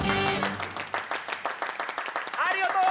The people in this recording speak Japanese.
ありがとう！